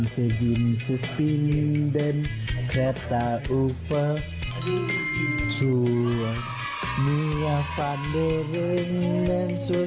พูดกันรู้เรื่องเลยเนอะ